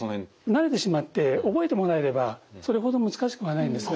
慣れてしまって覚えてもらえればそれほど難しくはないんですが。